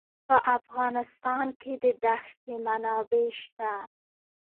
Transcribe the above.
په افغانستان کې د دښتې منابع شته.